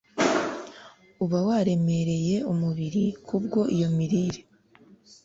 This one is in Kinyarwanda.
uba waremereye umubiri kubwo iyo mirire